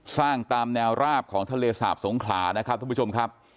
สร้างตามแนวราบของทะเลสาบสงขลานะครับทุกผู้ชมครับ